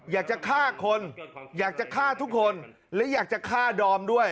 อยากจะฆ่าคนอยากจะฆ่าทุกคนและอยากจะฆ่าดอมด้วย